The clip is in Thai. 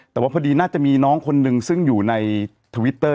แต่ว่าพอดีน่าจะมีน้องคนหนึ่งซึ่งอยู่ในทวิตเตอร์